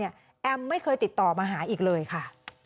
แอมไม่เคยติดต่อมาหาอีกเลยค่ะ